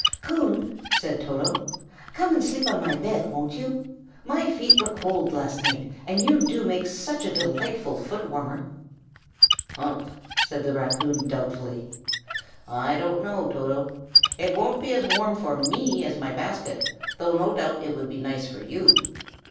"Coon," said Toto, "come and sleep on my bed, won't you? My feet were cold, last night, and you do make such a delightful foot warmer." "Humph!" said the raccoon, doubtfully. "I don't know, Toto. It won't be as warm for me as my basket, though no doubt it would be nice for you."